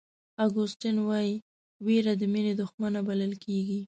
اګوستین وایي وېره د مینې دښمنه بلل کېږي.